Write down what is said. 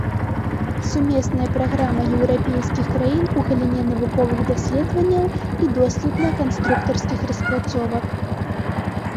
Сумесная праграма еўрапейскіх краін у галіне навуковых даследаванняў і доследна-канструктарскіх распрацовак.